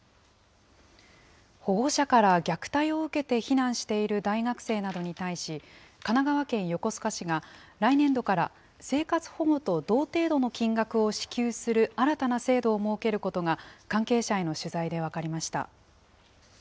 保護者から虐待を受けて避難している大学生などに対し、神奈川県横須賀市が来年度から、生活保護と同程度の金額を支給する新たな制度を設けることが、関係者への取材で分かりました。